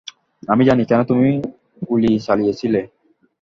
আমি জানি কেন তুমি গুলি চালিয়েছিলে।